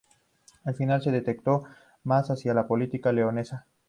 Al final, se decantó más hacía la política leonesa.